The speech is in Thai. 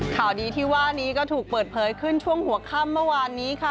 ข่าวดีที่ว่านี้ก็ถูกเปิดเผยขึ้นช่วงหัวค่ำเมื่อวานนี้ค่ะ